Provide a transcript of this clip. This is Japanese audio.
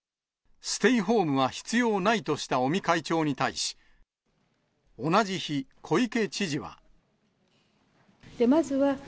ステイホームは必要ないとした尾身会長に対し、同じ日、小池知事は。